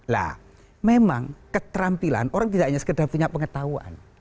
nah memang keterampilan orang tidak hanya sekedar punya pengetahuan